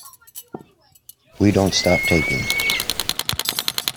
We don't stop taping.